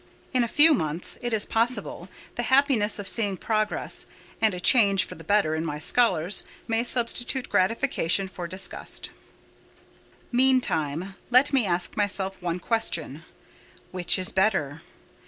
In a few months, it is possible, the happiness of seeing progress, and a change for the better in my scholars may substitute gratification for disgust. Meantime, let me ask myself one question—Which is better?